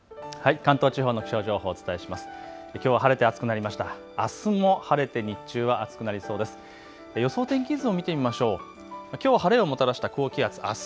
関東地方の気象情報お伝えします。